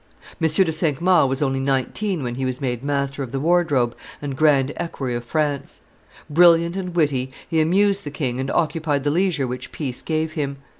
M. de Cinq Mars was only nineteen when he was made master of the wardrobe and grand equerry of France. Brilliant and witty, he amused the king and occupied the leisure which peace gave him.